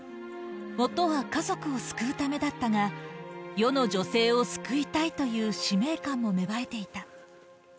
元は家族を救うためだったが、世の女性を救いたいという使命感も芽生えていた。